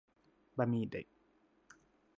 บะหมี่เด็ก